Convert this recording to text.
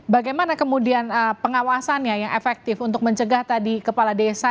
bagaimana kemudian pengawasannya yang efektif untuk mencegah tadi kepala desa